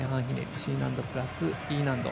Ｃ難度プラスＥ難度。